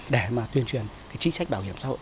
để tuyên truyền chính sách bảo hiểm xã hội